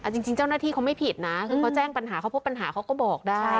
จริงเจ้าหน้าที่เขาไม่ผิดนะคือเขาแจ้งปัญหาเขาพบปัญหาเขาก็บอกได้